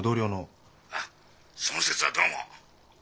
☎あっその節はどうも。